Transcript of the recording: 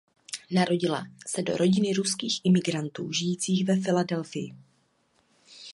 Narodila se do rodiny ruských imigrantů žijících ve Filadelfii.